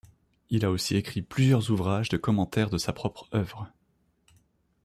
Il a aussi écrit plusieurs ouvrages de commentaire de sa propre œuvre.